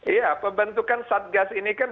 iya pembentukan satgas ini kan